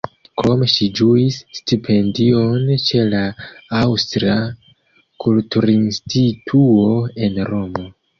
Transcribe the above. Krome ŝi ĝuis stipendion ĉe la Aŭstra kulturinstituo en Romo.